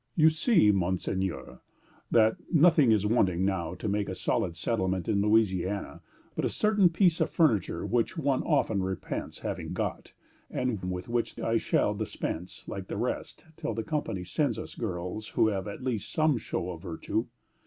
"You see, Monseigneur, that nothing is wanting now to make a solid settlement in Louisiana but a certain piece of furniture which one often repents having got, and with which I shall dispense, like the rest, till the Company sends us girls who have at least some show of virtue.